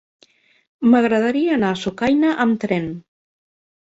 M'agradaria anar a Sucaina amb tren.